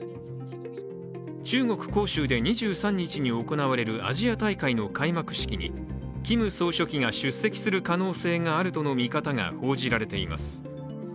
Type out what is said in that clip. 中国・杭州で２３日に行われるアジア大会の開幕式にキム総書記が出席する可能性があるとの見方が報じられています。